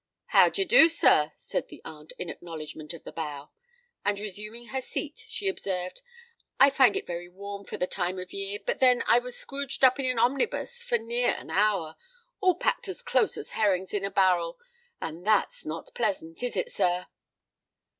"How d'ye do, sir?" said the aunt, in acknowledgment of the bow; and, resuming her seat, she observed, "I find it very warm for the time of year. But then I was scrooged up in an omnibus for near an hour—all packed as close as herrings in a barrel; and that's not pleasant—is it, sir?"